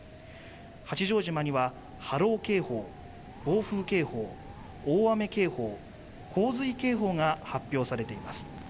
八丈島には波浪警報、暴風警報、大雨警報、洪水警報が発表されています。